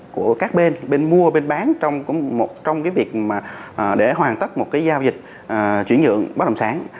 của các bên bên mua bên bán trong việc để hoàn tất một giao dịch chuyển nhượng bất đồng sản